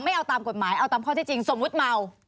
ไม่เอาตามกฎหมายเอาตามข้อที่จริงสมมุติเมา